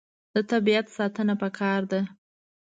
د طبیعت ساتنه پکار ده.